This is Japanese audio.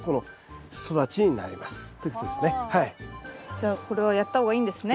じゃあこれはやった方がいいんですね。